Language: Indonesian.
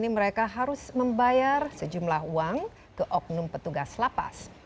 mereka harus membayar sejumlah uang ke oknum petugas lapas